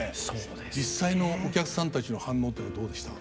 実際のお客さんたちの反応というのはどうでした？